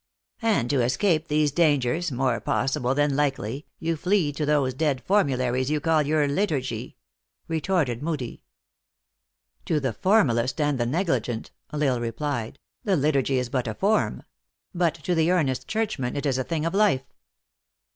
" And to escape these dangers, more possible than likely, you flee to those dead formularies you call your liturgy," retorted Moodie. "To the formalist and the negligent," L Isle re plied, " the liturgy is but a form ; but to the earnest churchman it is a thing of life.